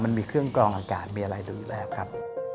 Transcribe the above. มันมีเครื่องกรองอากาศมีอะไรดูอยู่แล้วครับ